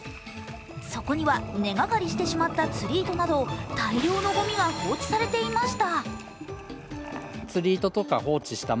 そこには根がかりしてしまった釣り糸など大量のごみが放置されていました。